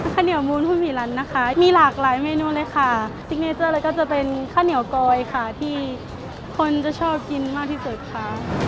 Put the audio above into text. ข้าวเหนียวมูลหุ้ยลันนะคะมีหลากหลายเมนูเลยค่ะซิกเนเจอร์เลยก็จะเป็นข้าวเหนียวกอยค่ะที่คนจะชอบกินมากที่สุดค่ะ